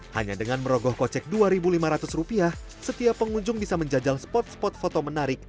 hanya dengan merogoh kocek rp dua lima ratus setiap pengunjung bisa menjajal spot spot foto menarik